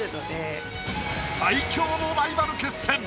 最強のライバル決戦！